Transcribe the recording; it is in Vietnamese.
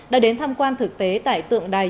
đã đến tham quan thực tế tại tượng đài